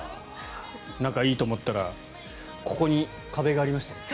仲いいと思ったらここに壁がありましたね。